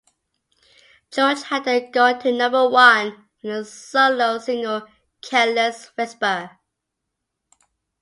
George had then gone to number one with a solo single, "Careless Whisper".